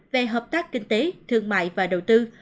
về hợp tác kinh tế thương mại và đầu tư